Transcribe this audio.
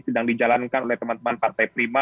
sedang dijalankan oleh teman teman partai prima